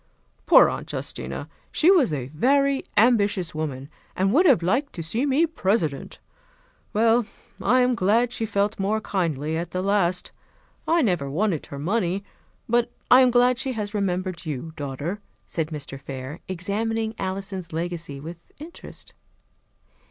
Poor Aunt Justina! She was a very ambitious woman, and would have liked to see me President. Well, I am glad she felt more kindly at the last. I never wanted her money; but I am glad she has remembered you, daughter," said Mr. Fair, examining Alison's legacy with interest.